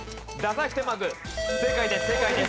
正解です正解です。